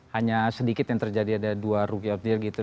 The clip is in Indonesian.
hanya sedikit yang terjadi ada dua rookie of dear gitu